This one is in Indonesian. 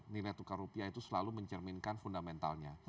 karena nilai tukar rupiah itu selalu mencerminkan fundamentalnya